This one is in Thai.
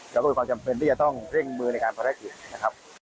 แล้วก็มีความจำเป็นที่จะต้องเร่งมือในการภารกิจนะครับ